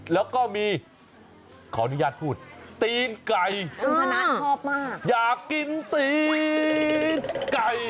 แล้วก็มีขออนุญาตพูดตีนไก่คุณชนะชอบมากอยากกินตีนไก่